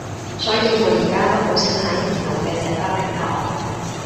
所以我而家都好少睇唔同嘅社交平台